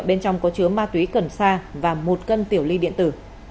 bên trong có chứa ma túy cần sa và một cân tiểu ly điện tử